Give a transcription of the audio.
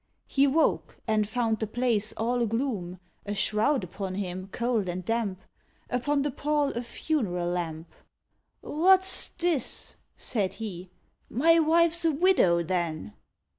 He woke and found the place all gloom, A shroud upon him cold and damp, Upon the pall a funeral lamp. "What's this?" said he; "my wife's a widow, then!"